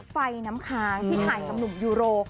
ไฟน้ำค้างที่ถ่ายกับหนุ่มยูโร